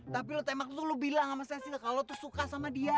tapi lo tembak itu lo bilang sama cecil kalau lo tuh suka sama dia